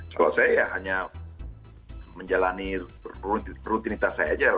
kalau saya ya hanya menjalani rutinitas saya aja